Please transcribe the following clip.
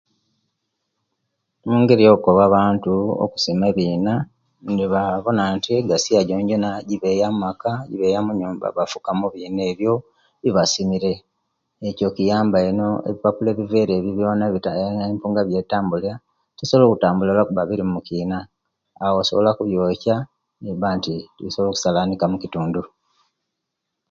Omungeri yo'okoba abantu okusima ebiina nibabona nti egasiya gyengyena egyebayeya omu'maka, egyebeya omu'nyumba bafuka mubiina ebyo ebibasimire ekyo kiyamba ino e'bipapula ne'bivera empunga ebye'tambulya tebisobola okutambula lwakuba biri mukiina awo osobola okubyokya nibanti tebisobola okusalanika omukitundu.